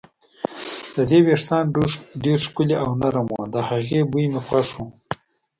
د دې وېښتان ډېر ښکلي او نرم وو، د هغې بوی مې خوښ و.